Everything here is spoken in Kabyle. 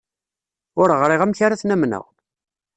Ur ɣriɣ amek ara ten-amneɣ.